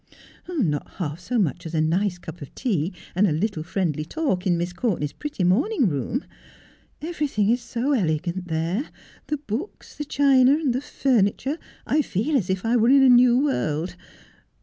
' Not half so much as a nice cup of tea and a little friendly talk in Miss Courtenay's pretty morning room. Everything is so elegant there — the books, the china, the furniture. I feel as if I were in a new world.